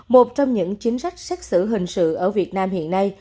một trong những chính sách xét xử hình sự ở việt nam hiện nay